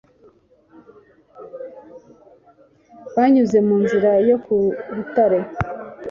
banyuze mu nzira yo ku rutare